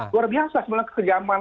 luar biasa sebenarnya kekejaman